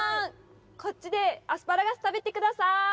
こっちでアスパラガス食べて下さい！